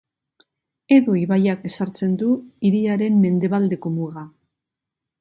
Edo ibaiak ezartzen du hiriaren mendebaldeko muga.